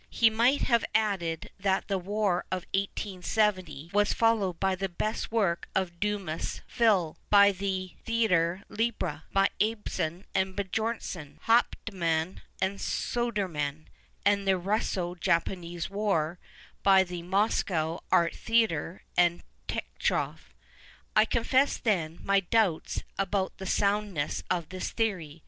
He might have added that the war of 1870 was followed by the best work of Dumas fils, by the Theatre Libre, by Ibsen and Bjornson, Hau]:>tmann and Sudermann, and the Russo Japanese War by the Moscow Art Theatre and Tchekhov. I confess, then, my doubts about the soundness of this theory.